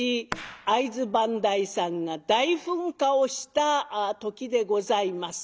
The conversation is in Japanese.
会津磐梯山が大噴火をした時でございます。